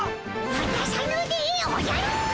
わたさぬでおじゃる！